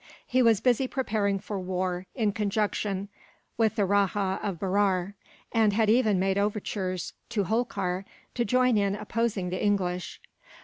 He was busy preparing for war, in conjunction with the Rajah of Berar; and had even made overtures, to Holkar, to join in opposing the English.